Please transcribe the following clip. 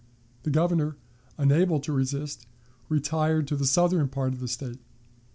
The Governor, unable to resist, retired to the southern part of the State.